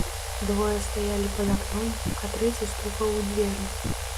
Двое стаялі пад акном, а трэці стукаў у дзверы.